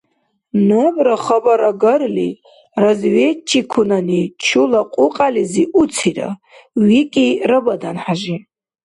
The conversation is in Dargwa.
— Набра хабарагарли, разведчикунани чула кьукьялизи уцира! — викӀи РабаданхӀяжи.